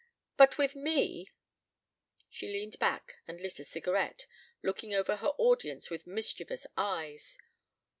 ... But with me " She leaned back and lit a cigarette, looking over her audience with mischievous eyes.